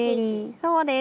そうです。